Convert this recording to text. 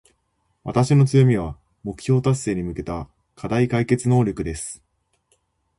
私の強みは、目標達成に向けた課題解決能力です。